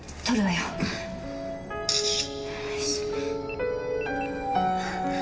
よし。